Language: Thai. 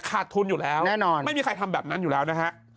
ขาดทุนอยู่แล้วแน่นอนไม่มีใครทำแบบนั้นอยู่แล้วนะฮะ